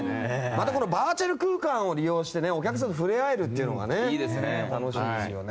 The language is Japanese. バーチャル空間を利用してお客さんと触れ合えるのが楽しいですよね。